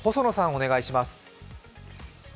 お願いします。